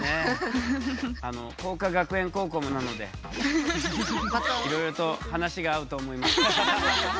晃華学園高校もなのでいろいろと話が合うと思います。